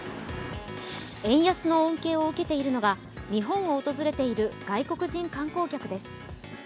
円安の恩恵を受けているのが日本を訪れている外国人観光客です。